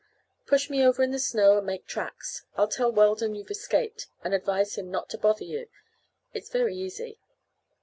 Push me over in the snow and make tracks. I'll tell Weldon you've escaped, and advise him not to bother you. It's very easy."